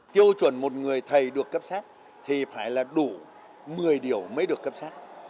tiêu chuẩn một người thầy được cấp sắc thì phải là đủ một mươi điều mới được cấp sắc